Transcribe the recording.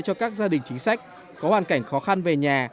cho các gia đình chính sách có hoàn cảnh khó khăn về nhà